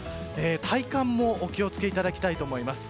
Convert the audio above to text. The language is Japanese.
耐寒もお気を付けいただきたいと思います。